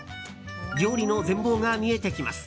料理の全貌が見えてきます。